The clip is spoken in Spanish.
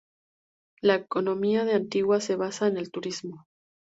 La economía de Antigua se basa en el turismo.